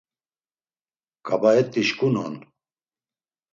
Ǩabaet̆i şǩunon.